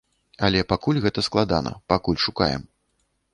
Але пакуль гэта складана, пакуль шукаем.